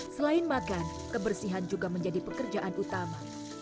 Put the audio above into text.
selain makan kebersihan juga menjadi pekerjaan utama